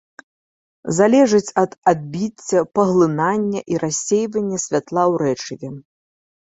Залежыць ад адбіцця, паглынання і рассейвання святла ў рэчыве.